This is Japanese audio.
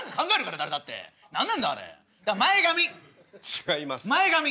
違います。